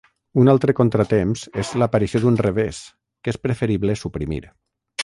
Un altre contratemps és l'aparició d'un revés, que és preferible suprimir.